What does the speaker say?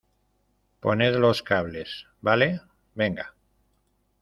poned los cables, ¿ vale? venga.